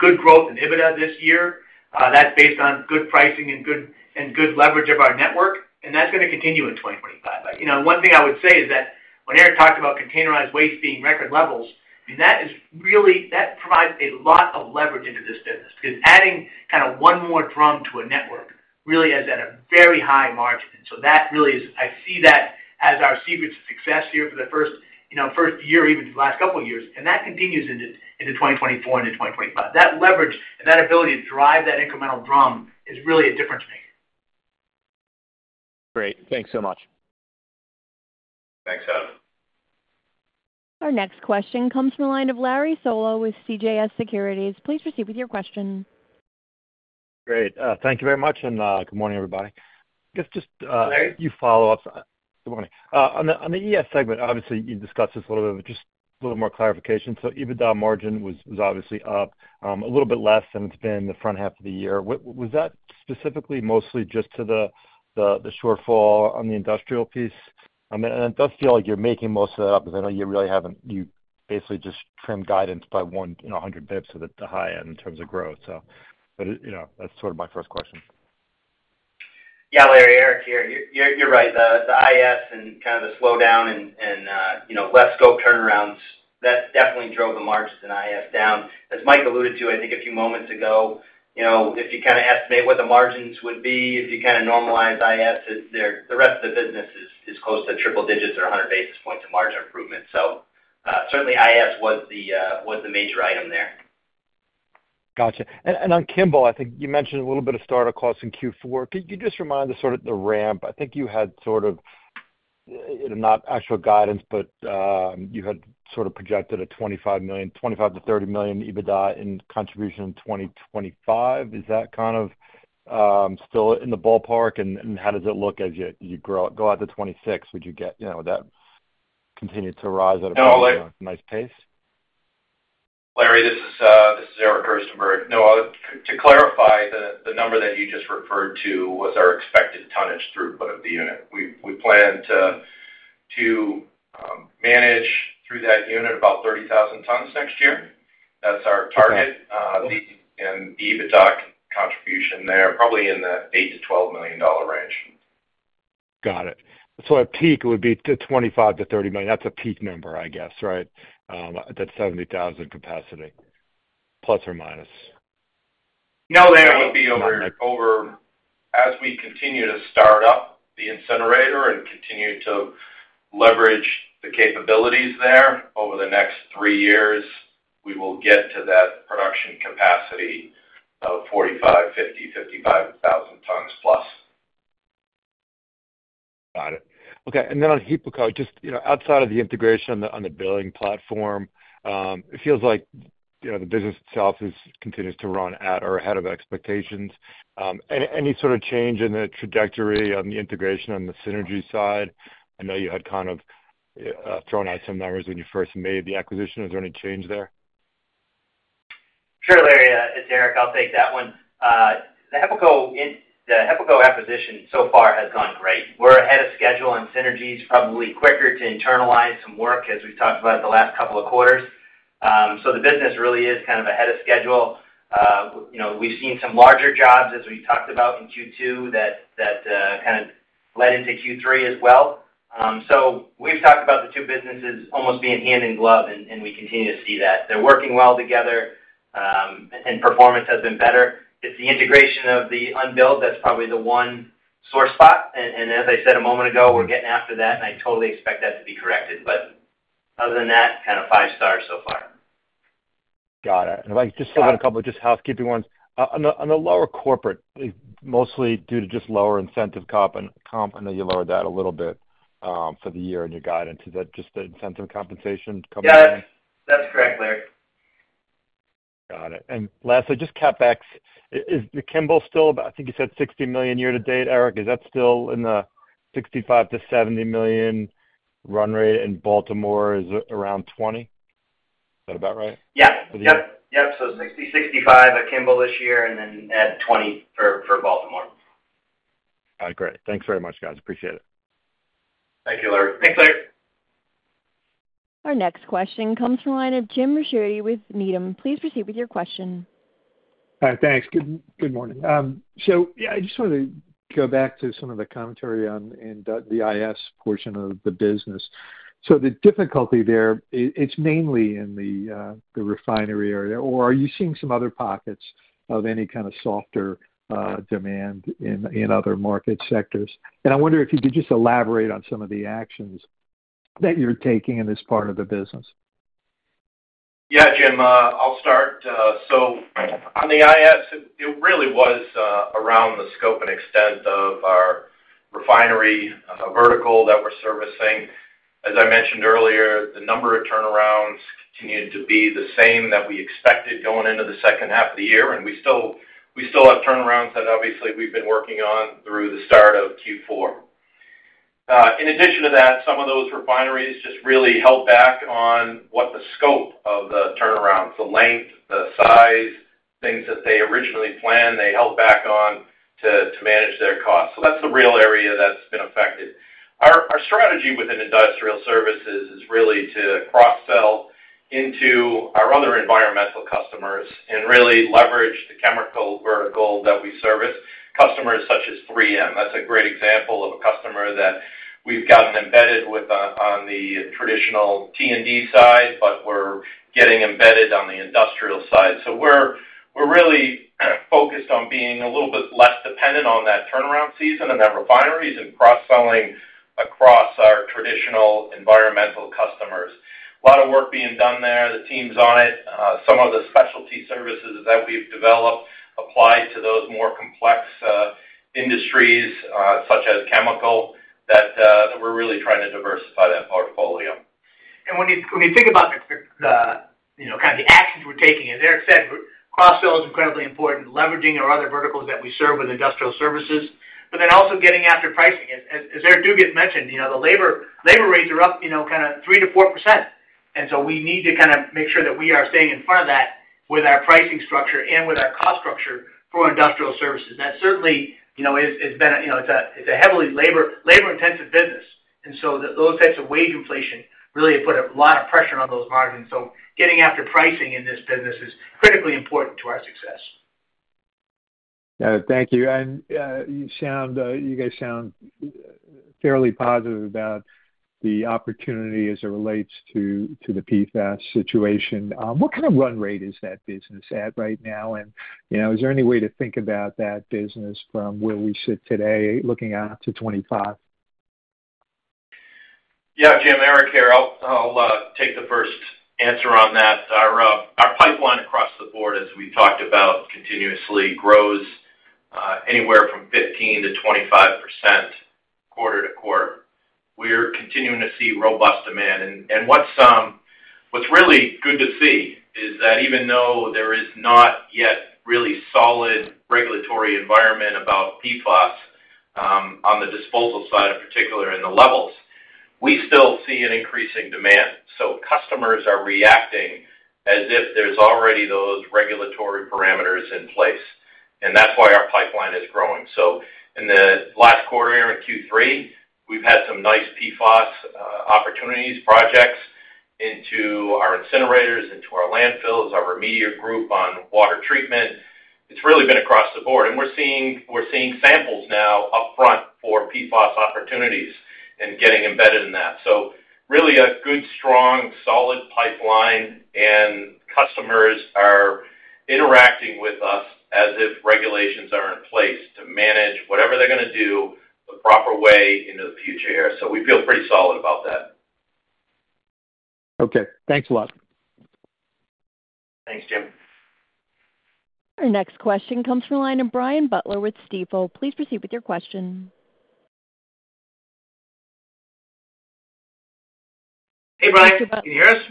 good growth in EBITDA this year. That's based on good pricing and good leverage of our network, and that's going to continue in 2025. One thing I would say is that when Eric talked about containerized waste being record levels, I mean, that provides a lot of leverage into this business because adding kind of one more drum to a network really is at a very high margin. And so that really is, I see that as our secret to success here for the first year, even the last couple of years, and that continues into 2024 and into 2025. That leverage and that ability to drive that incremental drum is really a difference maker. Great. Thanks so much. Thanks, Adam. Our next question comes from the line of Larry Solow with CJS Securities. Please proceed with your question. Great. Thank you very much, and good morning, everybody. I guess just a few follow-ups. Good morning. On the ES segment, obviously, you discussed this a little bit, but just a little more clarification. So EBITDA margin was obviously up a little bit less than it's been the front half of the year. Was that specifically mostly just to the shortfall on the industrial piece? And it does feel like you're making most of that up because I know you really haven't, you basically just trimmed guidance by 100 basis points at the high end in terms of growth. So that's sort of my first question. Yeah. Larry, Eric here. You're right. The IS and kind of the slowdown and less scope turnarounds, that definitely drove the margins in IS down. As Mike alluded to, I think a few moments ago, if you kind of estimate what the margins would be, if you kind of normalize IS, the rest of the business is close to triple digits or 100 basis points of margin improvement. So certainly, IS was the major item there. Gotcha. And on Kimball, I think you mentioned a little bit of startup costs in Q4. Can you just remind us sort of the ramp? I think you had sort of not actual guidance, but you had sort of projected a $25 million-$30 million EBITDA in contribution in 2025. Is that kind of still in the ballpark? And how does it look as you go out to 2026? Would you get that continue to rise at a nice pace? Larry, this is Eric Gerstenberg. To clarify, the number that you just referred to was our expected tonnage throughput of the unit. We plan to manage through that unit about 30,000 tons next year. That's our target. The EBITDA contribution there, probably in the $8 million-$12 million range. Got it. So at peak, it would be $25 million-$30 million. That's a peak number, I guess, right? That's 70,000 capacity, plus or minus. No, Larry, it would be over as we continue to start up the incinerator and continue to leverage the capabilities there over the next three years. We will get to that production capacity of 45,000, 50,000, 55,000 tons plus. Got it. Okay, and then on HEPACO, just outside of the integration on the billing platform, it feels like the business itself continues to run at or ahead of expectations. Any sort of change in the trajectory on the integration on the synergy side? I know you had kind of thrown out some numbers when you first made the acquisition. Is there any change there? Sure, Larry. It's Eric. I'll take that one. The HEPACO acquisition so far has gone great. We're ahead of schedule, and synergy is probably quicker to internalize some work, as we've talked about the last couple of quarters, so the business really is kind of ahead of schedule. We've seen some larger jobs, as we talked about in Q2, that kind of led into Q3 as well, so we've talked about the two businesses almost being hand in glove, and we continue to see that. They're working well together, and performance has been better. It's the integration of the unbilled that's probably the one sore spot, and as I said a moment ago, we're getting after that, and I totally expect that to be corrected, but other than that, kind of five stars so far. Got it. And if I could just throw in a couple of just housekeeping ones. On the lower Corporate, mostly due to just lower incentive comp, I know you lowered that a little bit for the year in your guidance. Is that just the incentive compensation coming in? Yes. That's correct, Larry. Got it. And lastly, just CapEx, is Kimball still, I think you said $60 million year to date. Eric, is that still in the $65-$70 million run rate, and Baltimore is around $20? Is that about right? Yep. Yep. So 60-65 at Kimball this year, and then 20 for Baltimore. All right. Great. Thanks very much, guys. Appreciate it. Thank you, Larry. Thanks, Larry. Our next question comes from the line of Jim Ricchiuti with Needham. Please proceed with your question. Hi. Thanks. Good morning. So yeah, I just wanted to go back to some of the commentary on the IS portion of the business. So the difficulty there, it's mainly in the refinery area. Or are you seeing some other pockets of any kind of softer demand in other market sectors? And I wonder if you could just elaborate on some of the actions that you're taking in this part of the business. Yeah, Jim. I'll start. So on the IS, it really was around the scope and extent of our refinery vertical that we're servicing. As I mentioned earlier, the number of turnarounds continued to be the same that we expected going into the second half of the year, and we still have turnarounds that obviously we've been working on through the start of Q4. In addition to that, some of those refineries just really held back on what the scope of the turnarounds, the length, the size, things that they originally planned, they held back on to manage their costs, so that's the real area that's been affected. Our strategy within Industrial Services is really to cross-sell into our other environmental customers and really leverage the chemical vertical that we service, customers such as 3M. That's a great example of a customer that we've gotten embedded with on the traditional T&D side, but we're getting embedded on the industrial side. So we're really focused on being a little bit less dependent on that turnaround season and that refineries and cross-selling across our traditional environmental customers. A lot of work being done there. The team's on it. Some of the specialty services that we've developed apply to those more complex industries such as chemical that we're really trying to diversify that portfolio. And when you think about kind of the actions we're taking, as Eric said, cross-sell is incredibly important, leveraging our other verticals that we serve with Industrial Services, but then also getting after pricing. As Eric Dugas mentioned, the labor rates are up kind of 3%-4%. And so we need to kind of make sure that we are staying in front of that with our pricing structure and with our cost structure for Industrial Services. That certainly has been a. It's a heavily labor-intensive business. And so those types of wage inflation really put a lot of pressure on those margins. So getting after pricing in this business is critically important to our success. Thank you. And you guys sound fairly positive about the opportunity as it relates to the PFAS situation. What kind of run rate is that business at right now? And is there any way to think about that business from where we sit today, looking out to 2025? Yeah. Jim, Eric here. I'll take the first answer on that. Our pipeline across the board, as we've talked about, continuously grows anywhere from 15%-25% quarter to quarter. We're continuing to see robust demand, and what's really good to see is that even though there is not yet really solid regulatory environment about PFAS on the disposal side, in particular in the levels, we still see an increasing demand, so customers are reacting as if there's already those regulatory parameters in place, and that's why our pipeline is growing, so in the last quarter, in Q3, we've had some nice PFAS opportunities, projects into our incinerators, into our landfills, our remediation group on water treatment. It's really been across the board, and we're seeing samples now upfront for PFAS opportunities and getting embedded in that. So really a good, strong, solid pipeline, and customers are interacting with us as if regulations are in place to manage whatever they're going to do the proper way into the future here. So we feel pretty solid about that. Okay. Thanks a lot. Thanks, Jim. Our next question comes from the line of Brian Butler with Stifel. Please proceed with your question. Hey, Brian. Can you hear us?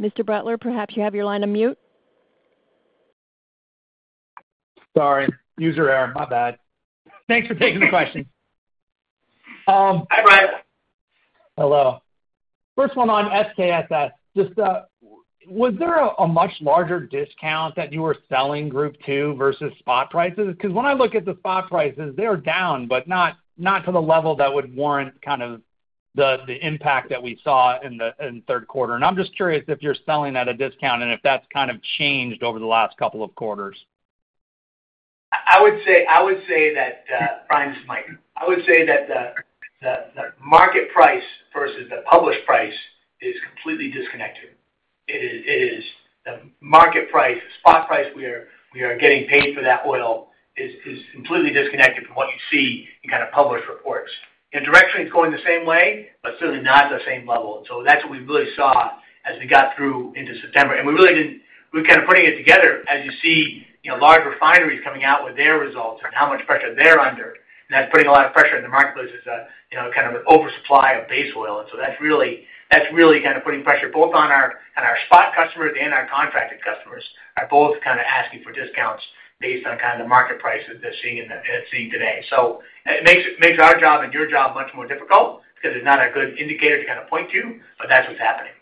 Mr. Butler, perhaps you have your line on mute. Sorry. User error. My bad. Thanks for taking the question. Hi, Brian. Hello. First one on SKSS. Was there a much larger discount that you were selling Group II versus spot prices? Because when I look at the spot prices, they're down, but not to the level that would warrant kind of the impact that we saw in the third quarter, and I'm just curious if you're selling at a discount and if that's kind of changed over the last couple of quarters. I would say that, Brian, this is Mike. I would say that the market price versus the published price is completely disconnected. The market price, the spot price we are getting paid for that oil is completely disconnected from what you see in kind of published reports. Directionally it's going the same way, but certainly not at the same level, and so that's what we really saw as we got through into September. And we're kind of putting it together, as you see large refineries coming out with their results and how much pressure they're under, and that's putting a lot of pressure in the marketplace as kind of an oversupply of base oil, and so that's really kind of putting pressure both on our spot customers and our contracted customers are both kind of asking for discounts based on kind of the market prices they're seeing today. So it makes our job and your job much more difficult because it's not a good indicator to kind of point to, but that's what's happening.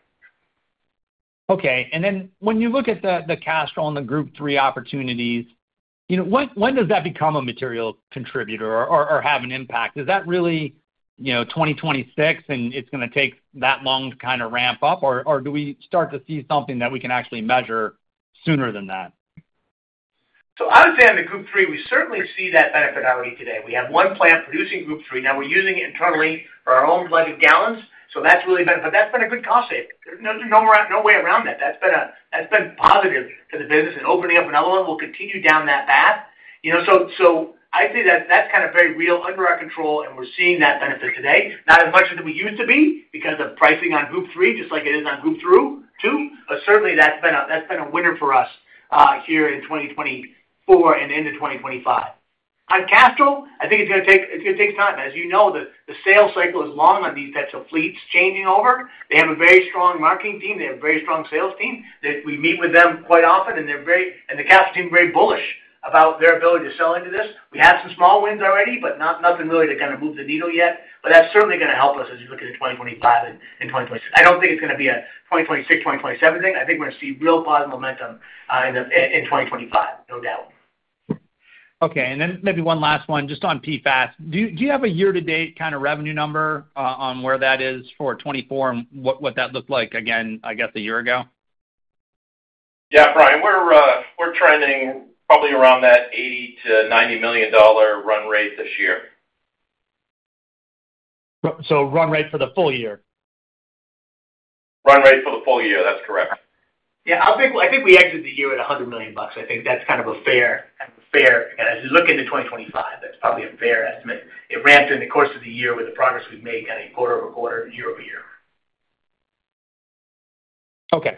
Okay. And then when you look at the cash on the Group III opportunities, when does that become a material contributor or have an impact? Is that really 2026 and it's going to take that long to kind of ramp up? Or do we start to see something that we can actually measure sooner than that? So I would say on the Group III, we certainly see that benefit already today. We have one plant producing Group III. Now we're using it internally for our own blended gallons. So that's really been a good cost saving. There's no way around that. That's been positive for the business and opening up another one. We'll continue down that path. So I'd say that that's kind of very real under our control, and we're seeing that benefit today. Not as much as we used to be because of pricing on Group III, just like it is on Group II. But certainly, that's been a winner for us here in 2024 and into 2025. On Castrol, I think it's going to take time. As you know, the sales cycle is long on these types of fleets changing over. They have a very strong marketing team. They have a very strong sales team. We meet with them quite often, and the Castrol team is very bullish about their ability to sell into this. We have some small wins already, but nothing really to kind of move the needle yet. But that's certainly going to help us as you look into 2025 and 2026. I don't think it's going to be a 2026, 2027 thing. I think we're going to see real positive momentum in 2025, no doubt. Okay. And then maybe one last one, just on PFAS. Do you have a year-to-date kind of revenue number on where that is for 2024 and what that looked like again, I guess, a year ago? Yeah, Brian. We're trending probably around that $80 million-$90 million run rate this year. So run rate for the full year? Run rate for the full year. That's correct. Yeah. I think we exited the year at $100 million. I think that's kind of a fair and as you look into 2025, that's probably a fair estimate. It ran through the course of the year with the progress we've made kind of quarter-over-quarter, year-over-year. Okay.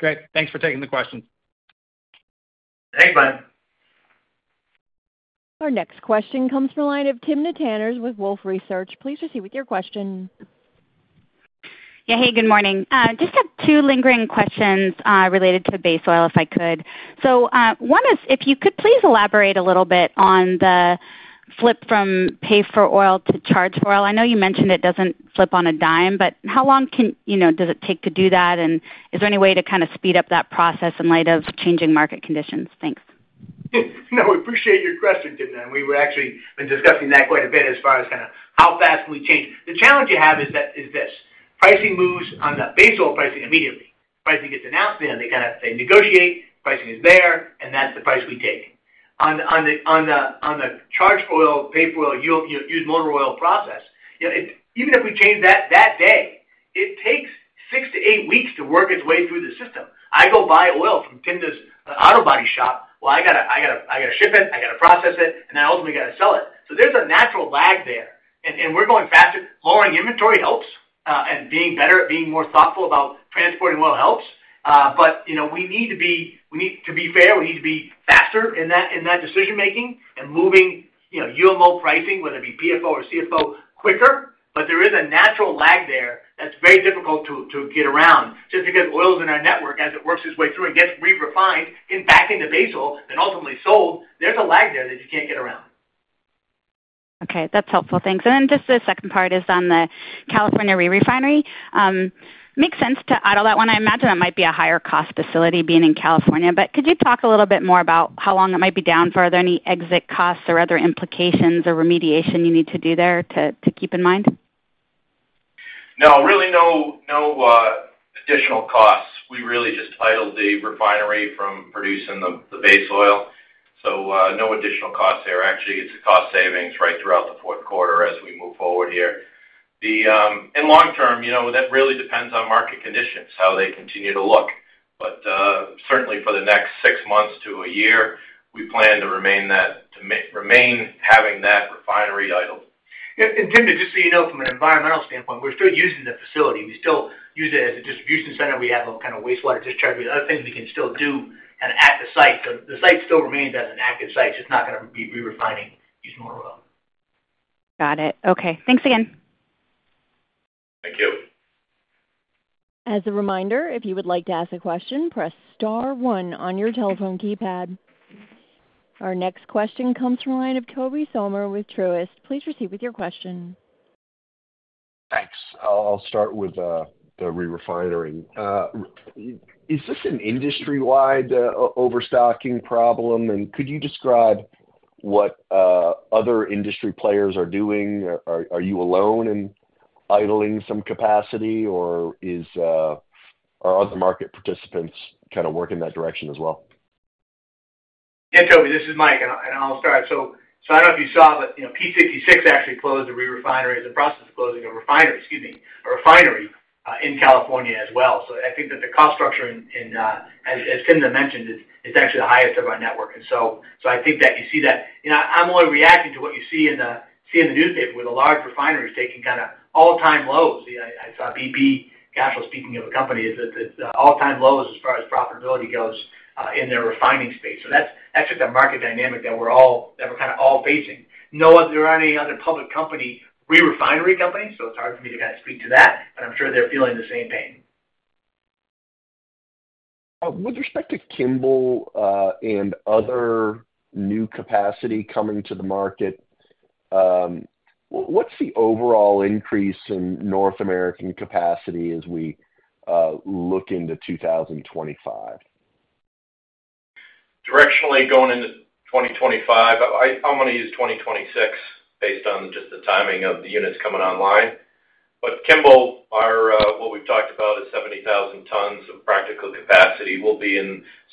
Great. Thanks for taking the questions. Thanks, man. Our next question comes from the line of Timna Tanners with Wolfe Research. Please proceed with your question. Yeah. Hey, good morning. Just have two lingering questions related to base oil, if I could. So one is, if you could please elaborate a little bit on the flip from pay for oil to charge for oil. I know you mentioned it doesn't flip on a dime, but how long does it take to do that? And is there any way to kind of speed up that process in light of changing market conditions? Thanks. No, we appreciate your question, Tim. We were actually discussing that quite a bit as far as kind of how fast can we change. The challenge you have is this: pricing moves on the base oil pricing immediately. Pricing gets announced, and they kind of negotiate. Pricing is there, and that's the price we take. On the charge oil, pay for oil, used motor oil process, even if we change that day, it takes six to eight weeks to work its way through the system. I go buy oil from Tim's Autobody shop. Well, I got to ship it. I got to process it, and then I ultimately got to sell it. So there's a natural lag there. And we're going faster. Lowering inventory helps, and being better at being more thoughtful about transporting oil helps. But we need to be fair. We need to be faster in that decision-making and moving UMO pricing, whether it be PFO or CFO, quicker. But there is a natural lag there that's very difficult to get around. Just because oil is in our network, as it works its way through and gets re-refined and back into base oil and ultimately sold, there's a lag there that you can't get around. Okay. That's helpful. Thanks. And then just the second part is on the California re-refinery. Makes sense to add on that one. I imagine that might be a higher cost facility being in California. But could you talk a little bit more about how long it might be down? Are there any exit costs or other implications or remediation you need to do there to keep in mind? No, really no additional costs. We really just idled the refinery from producing the base oil. So no additional costs there. Actually, it's a cost savings right throughout the fourth quarter as we move forward here. In long term, that really depends on market conditions, how they continue to look. But certainly, for the next six months to a year, we plan to remain having that refinery idled. Tim, just so you know, from an environmental standpoint, we're still using the facility. We still use it as a distribution center. We have kind of wastewater discharge. We have other things we can still do kind of at the site. So the site still remains as an active site. It's just not going to be re-refining used motor oil. Got it. Okay. Thanks again. Thank you. As a reminder, if you would like to ask a question, press star one on your telephone keypad. Our next question comes from the line of Tobey Sommer with Truist. Please proceed with your question. Thanks. I'll start with the re-refining. Is this an industry-wide overstocking problem? And could you describe what other industry players are doing? Are you alone in idling some capacity, or are other market participants kind of working that direction as well? Yeah, Tobey, this is Mike, and I'll start. So I don't know if you saw, but P66 actually closed the re-refineries and processed closing a refinery in California as well. So I think that the cost structure, as Tim mentioned, is actually the highest of our network. And so I think that you see that. I'm only reacting to what you see in the newspaper with the large refineries taking kind of all-time lows. I saw BP Castrol speaking of a company that's at all-time lows as far as profitability goes in their refining space. So that's just a market dynamic that we're kind of all facing. There aren't any other public company re-refineries companies, so it's hard for me to kind of speak to that. But I'm sure they're feeling the same pain. With respect to Kimball and other new capacity coming to the market, what's the overall increase in North American capacity as we look into 2025? Directionally going into 2025, I'm going to use 2026 based on just the timing of the units coming online, but Kimball, what we've talked about is 70,000 tons of practical capacity,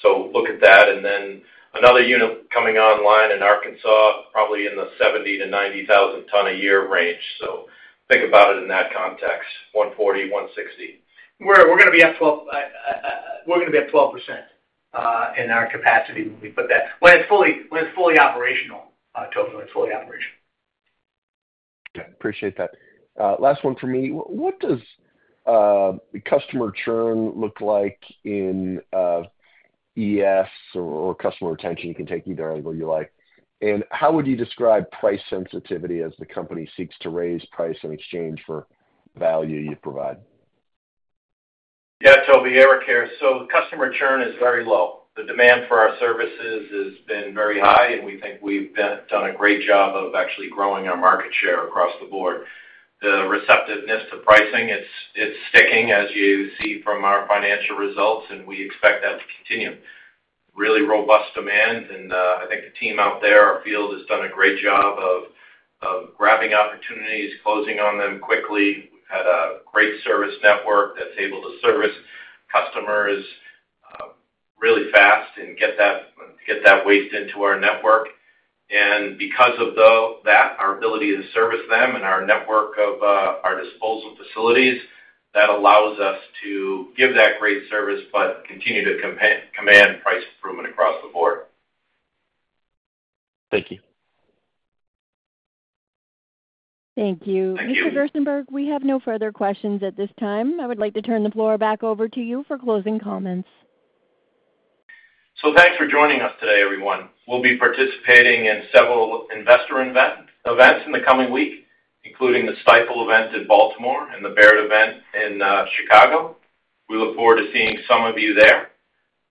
so look at that, and then another unit coming online in Arkansas, probably in the 70-90 thousand ton a year range, so think about it in that context, 140, 160. We're going to be up 12% in our capacity when we put that, when it's fully operational, Toby. Yeah. Appreciate that. Last one for me. What does customer churn look like in ES or customer retention? You can take either angle you like. And how would you describe price sensitivity as the company seeks to raise price in exchange for value you provide? Yeah, Tobey, Eric here. So customer churn is very low. The demand for our services has been very high, and we think we've done a great job of actually growing our market share across the board. The receptiveness to pricing, it's sticking as you see from our financial results, and we expect that to continue. Really robust demand. And I think the team out there, our field, has done a great job of grabbing opportunities, closing on them quickly. We've had a great service network that's able to service customers really fast and get that waste into our network. And because of that, our ability to service them and our network of our disposal facilities, that allows us to give that great service but continue to command price improvement across the board. Thank you. Thank you. Thank you. Mr. Gerstenberg, we have no further questions at this time. I would like to turn the floor back over to you for closing comments. Thanks for joining us today, everyone. We'll be participating in several investor events in the coming week, including the Stifel event in Baltimore and the Baird event in Chicago. We look forward to seeing some of you there.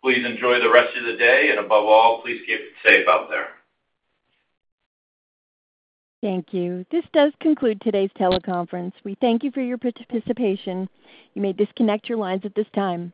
Please enjoy the rest of the day. And above all, please keep it safe out there. Thank you. This does conclude today's teleconference. We thank you for your participation. You may disconnect your lines at this time.